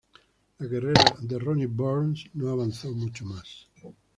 La carrera de Ronnie Burns no avanzó mucho más.